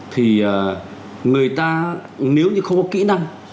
thì người ta nếu như không có kỹ năng